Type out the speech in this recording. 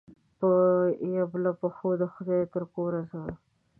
په يبلو پښو دخدای ج ترکوره ځمه